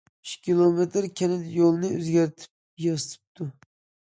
ئۈچ كىلومېتىر كەنت يولىنى ئۆزگەرتىپ ياسىتىپتۇ.